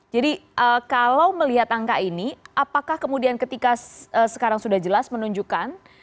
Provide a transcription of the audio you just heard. jadi kalau melihat angka ini apakah kemudian ketika sekarang sudah jelas menunjukkan